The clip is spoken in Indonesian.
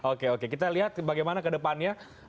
oke oke kita lihat bagaimana kedepannya